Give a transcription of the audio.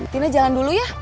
tina jalan dulu ya